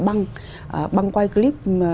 băng băng quay clip